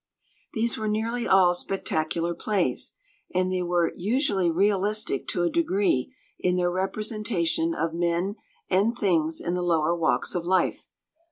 These were nearly all spectacular plays, and they were usually realistic to a degree in their representation of men and things in the lower walks of life.